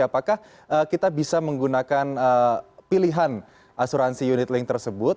apakah kita bisa menggunakan pilihan asuransi unitlink tersebut